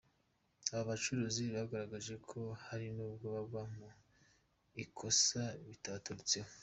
Aba bacuruzi bagaragaje ko hari nubwo bagwa mu ikosa bitabaturutseho.